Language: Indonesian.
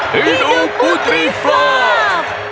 hidup putri flav